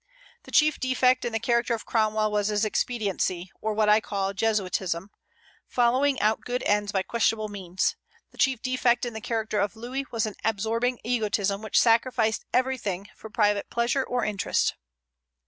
The chief defect in the character of Cromwell was his expediency, or what I call jesuitism, following out good ends by questionable means; the chief defect in the character of Louis was an absorbing egotism, which sacrificed everything for private pleasure or interest.